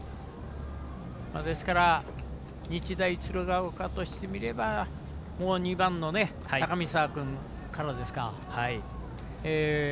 ですから日大鶴ヶ丘としてみればもう２番の高見澤君からですか。